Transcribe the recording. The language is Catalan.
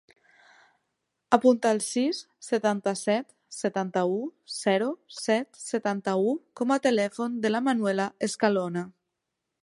Apunta el sis, setanta-set, setanta-u, zero, set, setanta-u com a telèfon de la Manuela Escalona.